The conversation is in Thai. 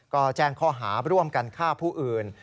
ก็แจ้งข้อหาร่วมกันฆ่าผู้อื่น